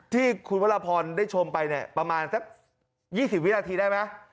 ที่คุณวรพรได้ชมไปเนี่ยประมาณสัก๒๐วินาทีได้ไหม